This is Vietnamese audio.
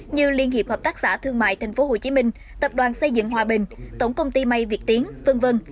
như liên hiệp hợp tác xã thương mại tp hcm tập đoàn xây dựng hòa bình tổng công ty may việt tiến v v